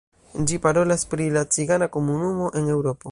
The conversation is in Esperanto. Ĝi parolas pri la cigana komunumo en Eŭropo.